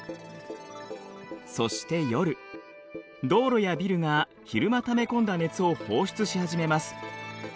道路やビルが昼間ため込んだ熱を放出し始めます。